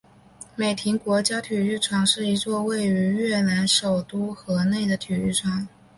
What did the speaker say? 美亭国家体育场是一座位于越南首都河内的体育场。